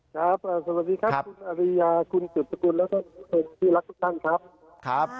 ครับสวัสดีครับคุณอะลียาคุณจุดประกุลและงุทธคานที่รักทุกท่านครับ